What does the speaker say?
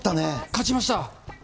勝ちました。